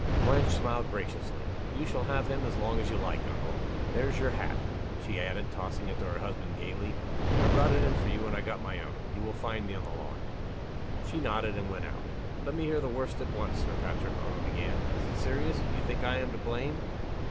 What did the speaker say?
Blanche smiled graciously. "You shall have him as long as you like, uncle. There's your hat," she added, tossing it to her husband, gayly. "I brought it in for you when I got my own. You will find me on the lawn." She nodded, and went out. "Let me hear the worst at once, Sir Patrick," Arnold began. "Is it serious? Do you think I am to blame?"